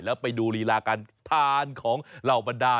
แล้วไปดูรีลาการทานของเหล่าบรรดา